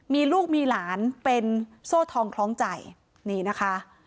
มีลูกมีหลานเป็นโซ่ทองคล้องใจนี่นะคะ